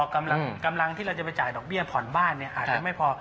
กำลังที่เราจะไปจ่ายดอกเบี้ยผ่อนบ้านอาจจะไม่พอ